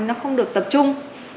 nó không được tập trung